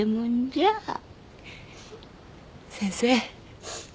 先生。